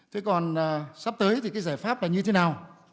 thế còn sắp tới thì cái giải pháp là như thế nào